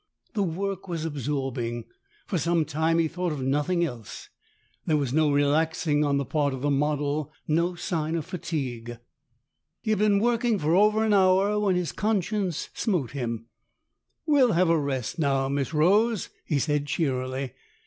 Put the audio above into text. The work was absorbing. For some time he thought of nothing else. There was no relaxing on the part of the model no sign of fatigue. He had been working for over an hour, 150 STORIES IN GREY when his conscience smote him. " We'll have a rest now, Miss Rose," he said cheerily.